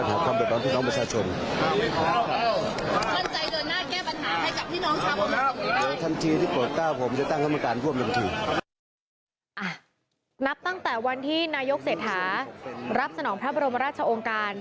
นับตั้งแต่วันที่นายกเศรษฐารับสนองพระบรมราชองค์การ